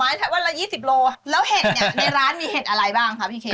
แล้วเห็ดเนี่ยในร้านมีเห็ดอะไรบ้างครับพี่เคน